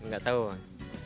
nggak tahu mbak